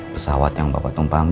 pesawat yang bapak tumpangi